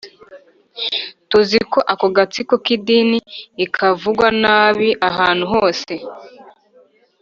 Tuzi ko ako gatsiko k idini i kavugwa nabi ahantu hose